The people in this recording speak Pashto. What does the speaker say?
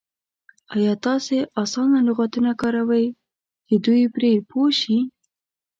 ایا تاسې اسانه لغتونه کاروئ چې دوی پرې پوه شي؟